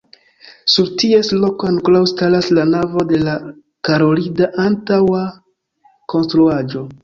Sur ties loko ankoraŭ staras la navo de la karolida antaŭa konstruaĵo.